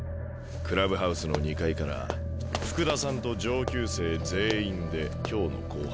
クラブハウスの２階から福田さんと上級生全員で今日の紅白戦。